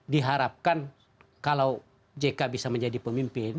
diharapkan kalau jk bisa menjadi pemimpin